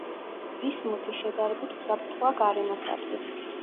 ბისმუთი შედარებით უსაფრთხოა გარემოსათვის.